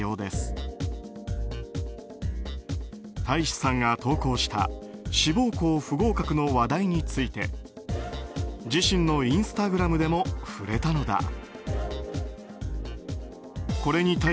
大維志さんが投稿した志望校不合格の話題について自身のインスタグラムでも触れたのだ。